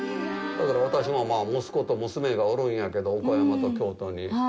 私も息子と娘がおるんやけど岡山と京都に。